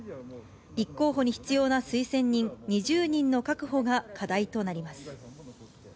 立候補に必要な推薦人２０人の確保が課題となります。